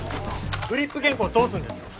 フリップ原稿どうすんですか？